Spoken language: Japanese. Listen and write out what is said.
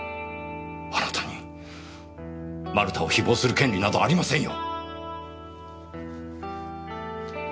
あなたに丸田を誹謗する権利などありませんよ！